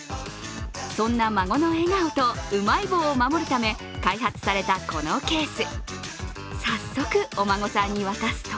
そんな孫の笑顔とうまい棒を守るため開発された、このケース。